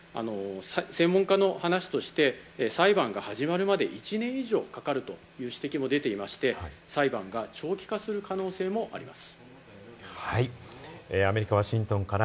専門家の話として、裁判が始まるまで１年以上かかるという指摘も出ていまして、裁判が長期化する可能性もあります。